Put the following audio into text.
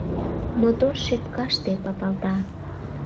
Мотор шепкаште папалта.